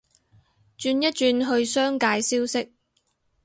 轉一轉去商界消息